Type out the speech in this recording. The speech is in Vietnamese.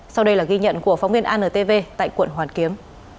sau đây là ghi nhận của phóng viên antv tại quận hoàn kiếm